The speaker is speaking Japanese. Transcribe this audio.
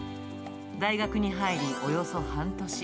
大学に入り、およそ半年。